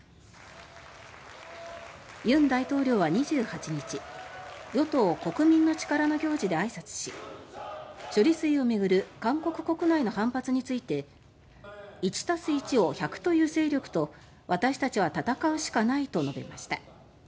尹大統領は２８日与党「国民の力」の行事で挨拶し処理水を巡る韓国国内の反発について「１＋１を１００と言う勢力と私たちは闘うしかない」と述べました。